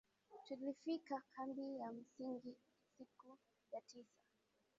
tulifika kambi ya msingi siku ya sita